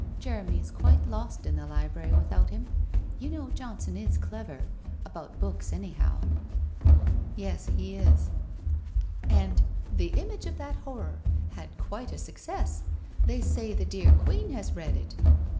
Jeremy is quite lost in the library without him. You know Johnson is clever — about books .ni' how !'• Ye . he is/ • And " The Image of that Horror" had quite a success. They say the dear Queen has read it?